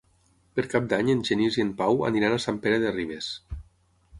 Per Cap d'Any en Genís i en Pau aniran a Sant Pere de Ribes.